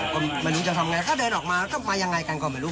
ก็ไม่รู้จะทำไงก็เดินออกมาก็มายังไงกันก็ไม่รู้